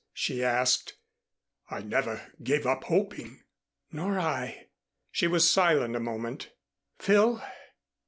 she asked. "I never gave up hoping." "Nor I." She was silent a moment. "Phil."